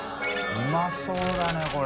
うまそうだねこれ。